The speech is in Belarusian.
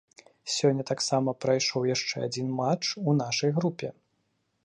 Сёння таксама прайшоў яшчэ адзін матч у нашай групе.